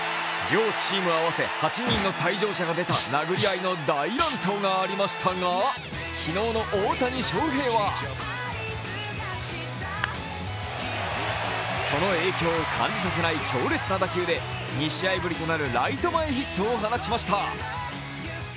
両チーム合わせ８人の退場が出た大乱闘がありましたが昨日の大谷翔平はその影響を感じさせない強烈な打球で２試合ぶりとなるライト前ヒットを放ちました。